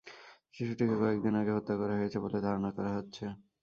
শিশুটিকে কয়েক দিন আগে হত্যা করা হয়েছে বলে ধারণা করা হচ্ছে।